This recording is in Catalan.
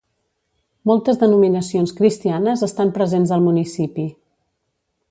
Moltes denominacions cristianes estan presents al municipi.